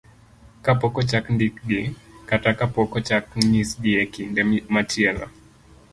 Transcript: kapok ochak ndikgi, kata kapok ochak nyisgi e kinde machielo.